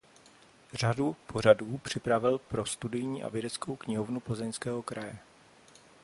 Řadu pořadů připravil pro Studijní a vědeckou knihovnu Plzeňského kraje.